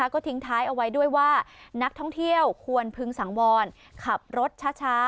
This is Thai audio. ก็ทิ้งท้ายเอาไว้ด้วยว่านักท่องเที่ยวควรพึงสังวรขับรถช้า